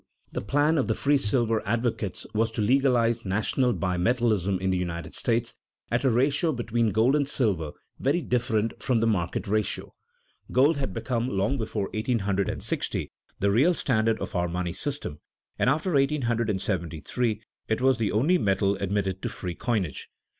_The plan of the free silver advocates was to legalize national bimetallism in the United States at a ratio between gold and silver very different from the market ratio._ Gold had become, long before 1860, the real standard of our money system, and after 1873 it was the only metal admitted to free coinage.